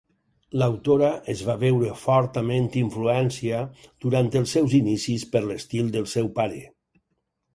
L'autora es va veure fortament influència durant els seus inicis per l'estil del seu pare.